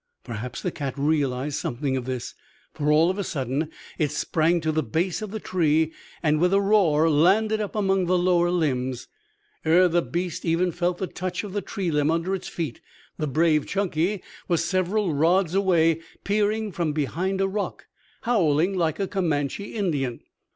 Perhaps the cat realized something of this, for all of a sudden it sprang to the base of the tree and with a roar landed up among the lower limbs. Ere the beast even felt the touch of the tree limb under its feet, the brave Chunky was several rods away peering from behind a rock, howling like a Comanche Indian.